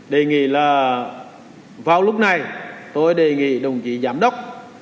đề nghị là vào lúc này tôi đề nghị đồng chí giám đốc